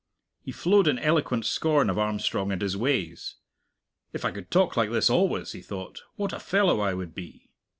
He flowed in eloquent scorn of Armstrong and his ways. If I could talk like this always, he thought, what a fellow I would be!